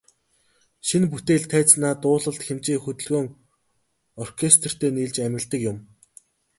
Шинэ бүтээл тайзнаа дуулалт, хэмжээ, хөдөлгөөн, оркестертэй нийлж амилдаг юм.